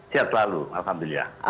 sehat selalu alhamdulillah